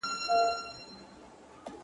• د وخت ملامتي ده چي جانان په باور نه دی -